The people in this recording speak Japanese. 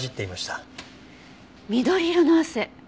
緑色の汗。